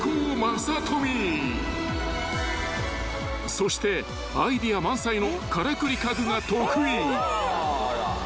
［そしてアイデア満載のからくり家具が得意］